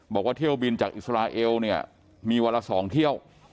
บอกว่าเที่ยวบินจากอิสราเอลเนี่ยมีวันละ๒เที่ยว